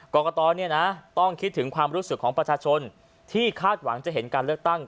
กรกตต้องคิดถึงความรู้สึกของประชาชนที่คาดหวังจะเห็นการเลือกตั้ง